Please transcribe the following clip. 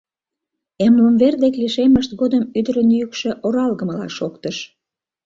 Эмлымвер деке лишеммышт годым ӱдырын йӱкшӧ оралгымыла шоктыш.